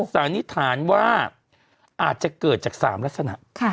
สารนิษฐานว่าอาจจะเกิดจาก๓ลักษณะ